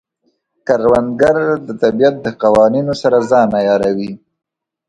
کروندګر د طبیعت د قوانینو سره ځان عیاروي